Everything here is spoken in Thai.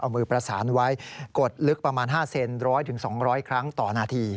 เอามือประสานไว้กดลึกประมาณ๕เซนร้อยถึง๒๐๐ครั้งต่อนาทีนะครับ